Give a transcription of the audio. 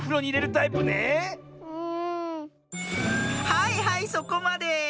はいはいそこまで！